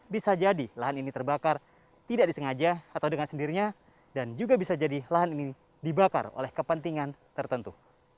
bisa jadi lahan ini terbakar tidak disengaja atau dengan sendirinya dan juga bisa jadi lahan ini dibakar oleh kepentingan tertentu